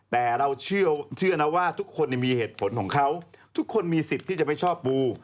แต่เราเชื่อนะว่าทุกคนมีเหตุผลของเขาทุกคนมีสิทธิ์ที่จะไปชอบปู